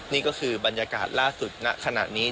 นี่ก็คือบรรยากาศล่าสุดณขณะนี้